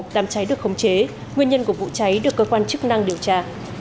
đám cháy được khống chế nguyên nhân của vụ cháy được cơ quan chức năng điều tra